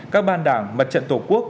các ban đảng mật trận tổ quốc